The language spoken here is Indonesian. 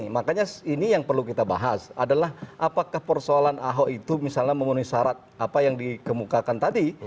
makanya ini yang perlu kita bahas adalah apakah persoalan ahok itu misalnya memenuhi syarat apa yang dikemukakan tadi